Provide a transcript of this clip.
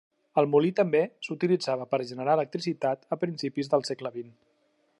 El molí també s'utilitzava per generar electricitat a principis del segle XX.